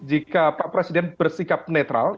jika pak presiden bersikap netral